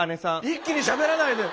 一気にしゃべらないで。